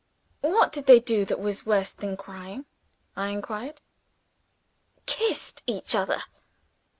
"What did they do that was worse than crying?" I inquired. "Kissed each other!"